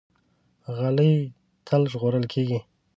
غلی، تل ژغورل کېږي.